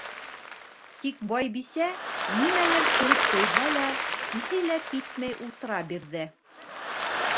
Тик Байбисә, нимәлер килеп тейһә лә, иҫе лә китмәй ултыра бирҙе.